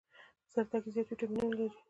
زردکي زيات ويټامينونه لري